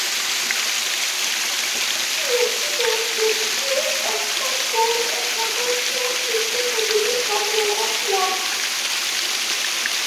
She admitted that both "Aspen Gold" and "Notorious" lifted heavily from Roberts' work.